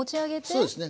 そうですね。